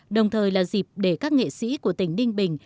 đồng thời là dịp để các nghệ sĩ của tỉnh ninh bình